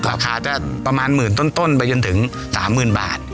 ราคาจะประมาณหมื่นต้นไปจนถึง๓๐๐๐บาท